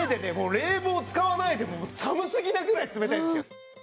冷房使わないでも寒すぎなぐらい冷たいんですよ。